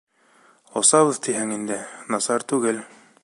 Осабыҙ тиһең инде, насар түгел...